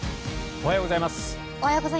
おはようございます。